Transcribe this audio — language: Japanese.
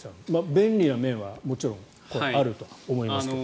便利な面はもちろんあると思いますが。